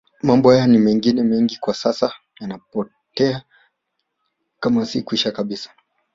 Mambo haya na mengine mengi kwa sasa yanapotea kama si kwisha kabisa